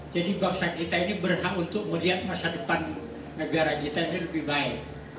jadi bangsa kita ini berhak untuk melihat masa depan negara kita ini lebih baik